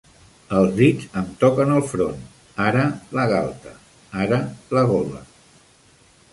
Els dits em toquen el front; ara la galta; ara la gola!